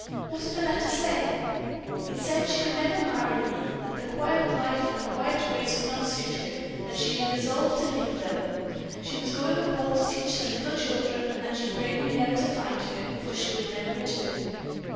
"What did that letter say?" "It said that she could never marry me; that the quiet life and quiet ways would not suit her; that she had resolved to leave them. She was going abroad to teach some little children, and she prayed me never to find her, for she would never return."